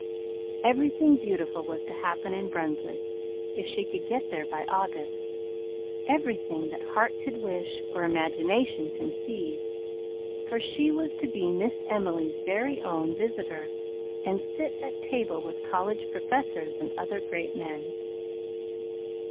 Everything beautiful was to happen in Brunswick if she could be there by August, everything that heart could wish or imagination conceive, for she was to be Miss Emily's very own visitor, and sit at table with college professors and other great men.